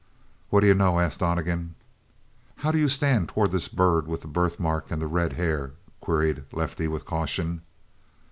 "What d'you know?" asked Donnegan. "How do you stand toward this bird with the birthmark and the red hair?" queried Lefty with caution.